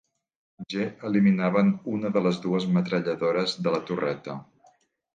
G, eliminaven una de les dues metralladores de la torreta.